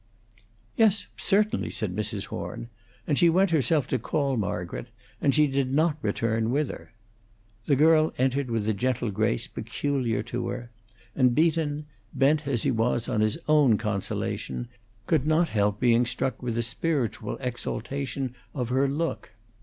"Yes, certainly," said Mrs. Horn, and she went herself to call Margaret, and she did not return with her. The girl entered with the gentle grace peculiar to her; and Beaton, bent as he was on his own consolation, could not help being struck with the spiritual exaltation of her look.